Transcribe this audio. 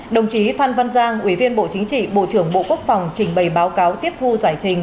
đồng chí phan văn giang ủy viên bộ chính trị bộ trưởng bộ quốc phòng trình bày báo cáo tiếp thu giải trình